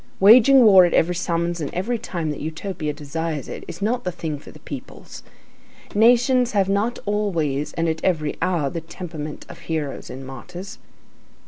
Waging war at every summons and every time that Utopia desires it, is not the thing for the peoples. Nations have not always and at every hour the temperament of heroes and martyrs.